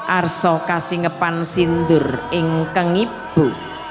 arsokasingepan sindur ingkang ibu